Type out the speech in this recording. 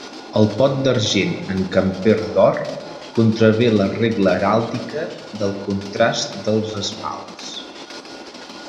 El pot d'argent en camper d'or contravé la regla heràldica del contrast dels esmalts.